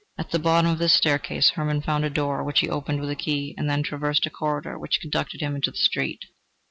At the bottom of the staircase Hermann found a door, which he opened with a key, and then traversed a corridor which conducted him into the street.